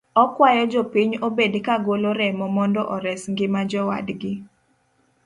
Okuayo jopiny obed ka golo remo mondo ores ngima jowadgi.